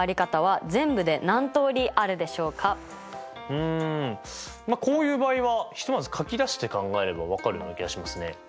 うんこういう場合はひとまず書き出して考えれば分かるような気がしますね。